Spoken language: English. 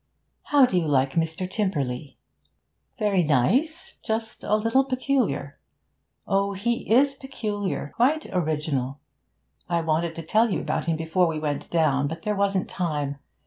'How do you like Mr. Tymperley?' 'Very nice. Just a little peculiar.' 'Oh, he is peculiar! Quite original. I wanted to tell you about him before we went down, but there wasn't time.